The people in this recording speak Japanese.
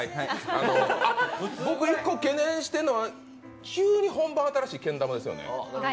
あ、僕１個懸念してるのは、急に本番、新しいけん玉ですよね？